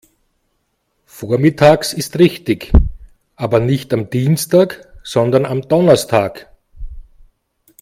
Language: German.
Vormittags ist richtig, aber nicht am Dienstag, sondern am Donnerstag.